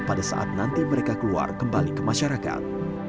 pada saat nanti mereka keluar kembali ke masyarakat